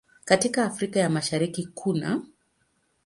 Katika Afrika ya Mashariki kunaː